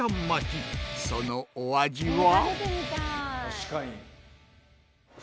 そのお味は。